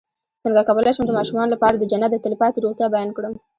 څنګه کولی شم د ماشومانو لپاره د جنت د تل پاتې روغتیا بیان کړم